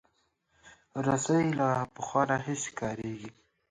رسۍ له پخوا راهیسې کارېږي.